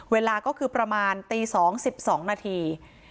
เวลาก็คือประมาณตีสองสิบสองนาที